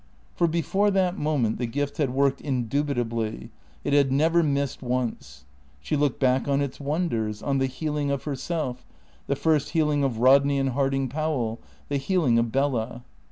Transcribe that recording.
For before that moment the gift had worked indubitably; it had never missed once. She looked back on its wonders; on the healing of herself; the first healing of Rodney and Harding Powell; the healing of Bella.